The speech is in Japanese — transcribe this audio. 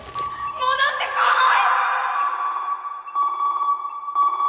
戻ってこーい！